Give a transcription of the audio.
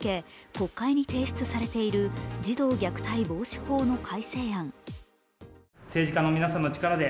国会に提出されている児童虐待防止法の改正案。